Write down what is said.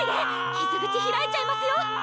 傷口開いちゃいますよ！